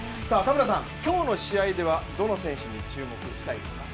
今日の試合ではどの選手に注目したいですか？